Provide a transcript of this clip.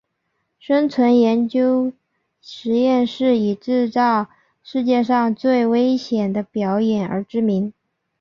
生存研究实验室以制造世界上最危险的表演而知名。